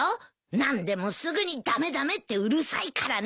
何でもすぐに駄目駄目ってうるさいからね。